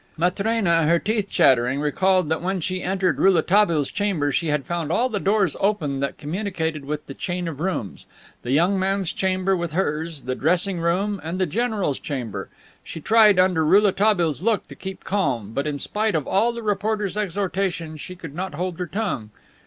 Matrena, her teeth chattering, recalled that when she entered Rouletabille's chamber she had found all the doors open that communicated with the chain of rooms: the young man's chamber with hers, the dressing room and the general's chamber. She tried, under Rouletabille's look, to keep calm, but in spite of all the reporter's exhortations she could not hold her tongue.